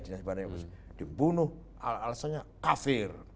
dibunuh alasannya kafir